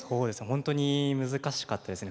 ほんとに難しかったですね。